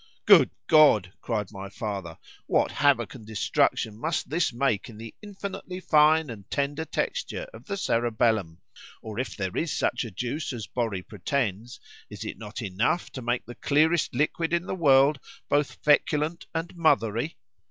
—Good God! cried my father, what havock and destruction must this make in the infinitely fine and tender texture of the cerebellum!—Or if there is such a juice as Borri pretends—is it not enough to make the clearest liquid in the world both seculent and mothery?